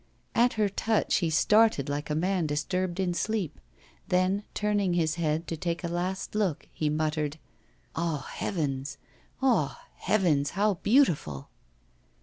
At her touch he started like a man disturbed in sleep. Then, turning his head to take a last look, he muttered: 'Ah! heavens! Ah! heavens, how beautiful!